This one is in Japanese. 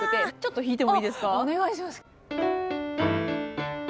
お願いします。